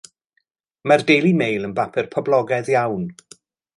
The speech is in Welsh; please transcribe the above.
Mae'r Daily Mail yn bapur poblogaidd iawn.